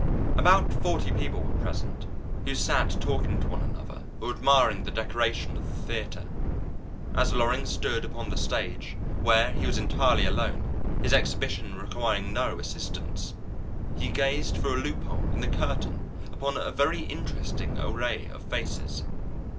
About forty people were present, who sat talking to one another, or admiring the decoration of the theatre. As Loring stood upon the stage where he was entirely alone, his exhibition requiring no assistants he gazed through a loophole in the curtain upon a very interesting array of faces.